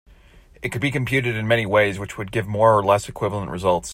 It could be computed in many ways which would give more or less equivalent results.